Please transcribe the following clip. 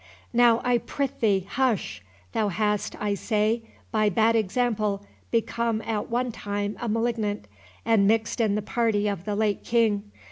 "Now, I prithee, hush—thou hast, I say, by bad example become at one time a malignant, and mixed in the party of the late King.